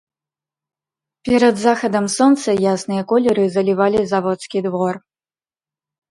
Перад захадам сонца ясныя колеры залівалі заводскі двор.